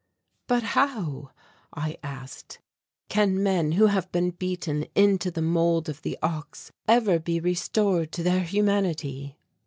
"But how," I asked, "can men who have been beaten into the mould of the ox ever be restored to their humanity?"